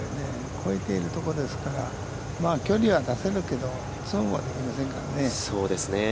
越えているところですから、距離は出せるけど、損はできませんからね。